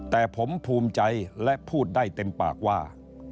แต่ผมภูมิใจและพูดได้เต็มปากว่า